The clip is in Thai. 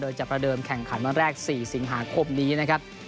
โดยจะประเดิมแข่งขันวันแรก๔สิงหาคมนี้นะครับ